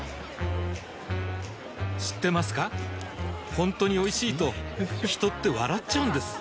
ほんとにおいしいと人って笑っちゃうんです